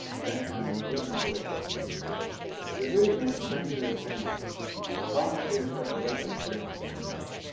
Grantline would not wait. The duty man turned to his panel. The volunteer shoved a weapon at Grantline.